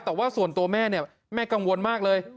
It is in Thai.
แต่ว่าส่วนตัวแม่เนี่ยแม่กังวลมากเลย